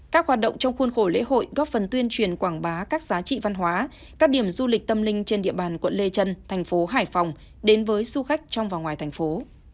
các hoạt động trong khuôn khổ lễ hội góp phần tuyên truyền quảng bá các giá trị văn hóa các điểm du lịch tâm linh trên địa bàn quận lê trân thành phố hải phòng đến với du khách trong và ngoài thành phố